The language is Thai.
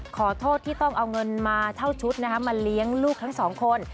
ขอโทษที่ต้องเอาเงินมาเท่าชุดมาเลี้ยงลูกทั้งสองคน